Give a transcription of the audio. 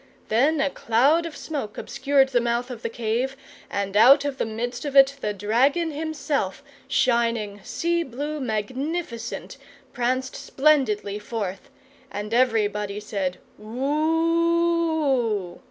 Then a cloud of smoke obscured the mouth of the cave, and out of the midst of it the dragon himself, shining, sea blue, magnificent, pranced splendidly forth; and everybody said, "Oo oo oo!"